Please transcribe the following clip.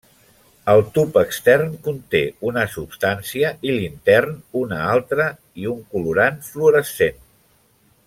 El tub extern conté una substància i l'intern una altra i un colorant fluorescent.